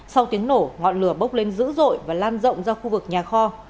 sau tiếng nổ ngọn lửa bốc lên dữ dội và lan rộng ra khu vực nhà kho